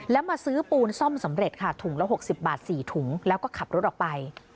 แล้วมาซื้อปูนซ่อมสำเร็จค่ะถุงละ๖๐บาท๔ถุงแล้วก็ขับรถออกไป